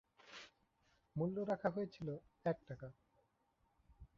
মূল্য রাখা হয়েছিল এক টাকা।